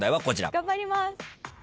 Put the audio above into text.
頑張ります。